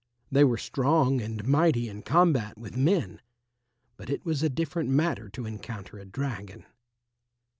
They were strong and mighty in combat with men, but it was a different matter to encounter a dragon.